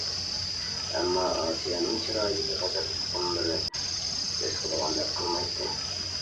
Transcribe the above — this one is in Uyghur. ئەمما ئاسىيەنىڭ چىرايىدىكى غەزەپ ئۇچقۇنلىرى بېسىقىدىغاندەك قىلمايتتى.